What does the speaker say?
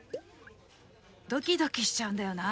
ドキドキしちゃうんだよなあ。